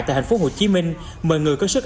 tại thành phố hồ chí minh mời người có sức